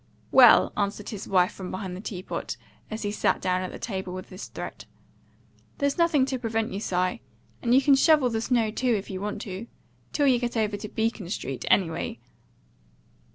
"Well," answered his wife from behind the teapot, as he sat down at table with this threat, "there's nothing to prevent you, Si. And you can shovel the snow too, if you want to till you get over to Beacon Street, anyway."